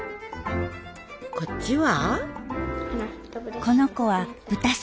こっちは？